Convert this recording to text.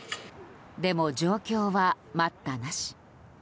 でも状況は、待ったなし。